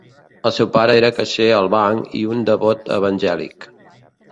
El seu pare era caixer al banc i un devot evangèlic.